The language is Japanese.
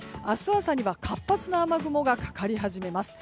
朝には活発な雨雲がかかり始めます。